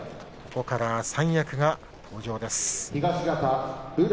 ここから三役が登場です。